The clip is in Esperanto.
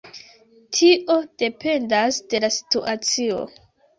Tio dependas de la situacio.